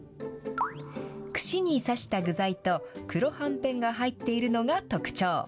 串に刺した具材と黒はんぺんが入っているのが特徴。